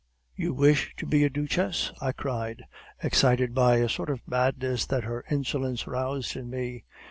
"'You wish to be a duchess?' I cried, excited by a sort of madness that her insolence roused in me.